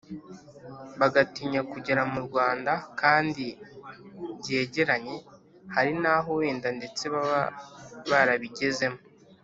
bagatinya kugera mu rwanda kandi byegeranye? hari n’aho wenda ndetse baba barabigezemo